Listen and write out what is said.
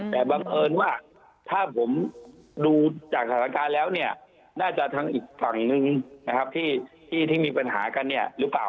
แต่บังเอิญว่าถ้าผมดูจากสถานการณ์แล้วเนี่ยน่าจะทางอีกฝั่งนึงนะครับที่มีปัญหากันเนี่ยหรือเปล่า